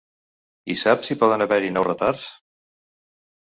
I sap si hi poden haver-hi nous retards?